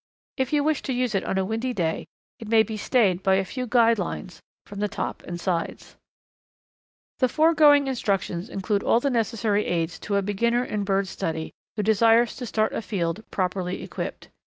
If you wish to use it on a windy day it may be stayed by a few guy lines from the top and sides. [Illustration: The Umbrella Blind] The foregoing instructions include all the necessary aids to a beginner in bird study who desires to start afield properly equipped.